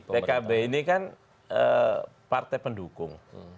pkb ini kan partai pendukung